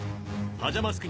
パジャマスク！